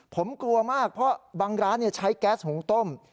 ผมกลัวมากเพราะบางร้านใช้แก๊สหุงต้ม